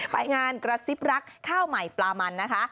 ไปงานกระซิบรักข้าวใหม่ปลามันนะคะ